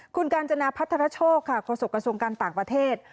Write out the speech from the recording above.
คุณการจนาพัทธาชกค่ะขอส่งกระทรวงการต่างประเทศ